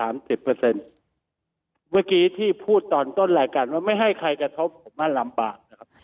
เมื่อกี้ที่พูดตอนต้นรายการว่าไม่ให้ใครกระทบผมว่าลำบากนะครับ